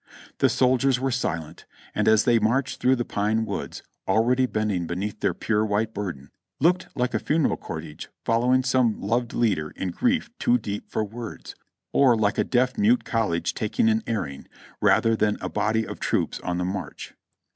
The soldiers were silent ; and as they marched through the pine woods, already bending beneath their pure white burden, looked like a funeral cortege following some loved leader in grief too deep for words; or like a deaf mute col lege taking an airing, rather than a body of troops on the march.